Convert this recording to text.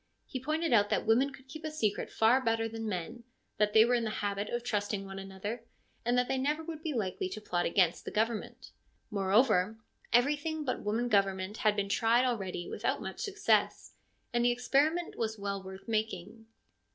He pointed out that women could keep a secret far better than men ; that they were in the habit of trusting one another, and that they never would be likely to plot against the government; moreover, everything but woman government had been tried already without much success, and the experiment was well worth making.